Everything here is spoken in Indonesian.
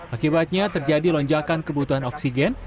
akibatnya terjadi lonjakan kebutuhan oksigen